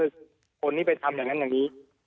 คนนี้ไปทำอย่างนั้นอย่างนี้